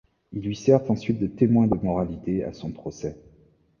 Il lui sert ensuite de témoin de moralité à son procès.